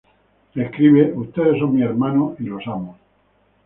Escribe: “Ustedes son mis hermanos y los amo.